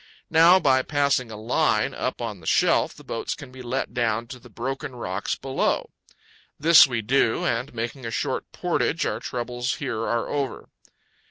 Now, by passing a line up on the shelf, the boats can be let down to the broken rocks below. This we do, and, making a short portage, our troubles here are over.